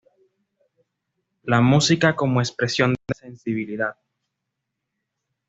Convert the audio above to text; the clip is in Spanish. La música como expresión de la sensibilidad.